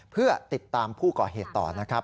เพื่อติดตามผู้ก่อเหตุต่อนะครับ